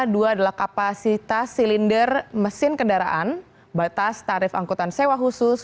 dua adalah kapasitas silinder mesin kendaraan batas tarif angkutan sewa khusus